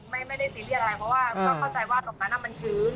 ไม่ได้ซีเรียสอะไรเพราะว่าก็เข้าใจว่าตรงนั้นมันชื้น